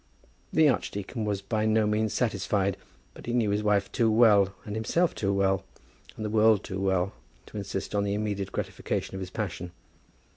The archdeacon was by no means satisfied; but he knew his wife too well, and himself too well, and the world too well, to insist on the immediate gratification of his passion.